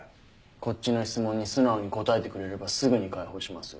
こっちの質問に素直に答えてくれればすぐに解放しますよ。